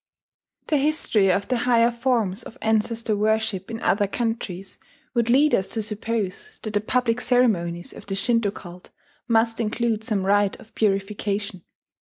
The history of the higher forms of ancestor worship in other countries would lead us to suppose that the public ceremonies of the Shinto cult must include some rite of purification.